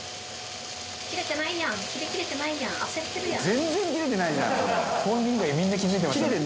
「全然切れてないじゃんそれ」